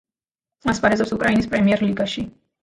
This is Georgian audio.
ასპარეზობს უკრაინის პრემიერ-ლიგაში.